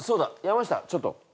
山下ちょっと。